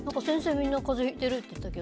みんな風邪ひいているって言ってたけど。